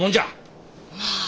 まあ！